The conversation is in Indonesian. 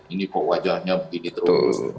ini kok wajahnya begini terus